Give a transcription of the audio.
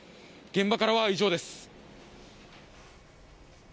現場からは以上です。